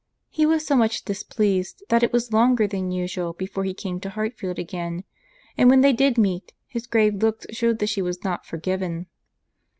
He was so much displeased, that it was longer than usual before he came to Hartfield again; and when they did meet, his grave looks shewed that she was not forgiven.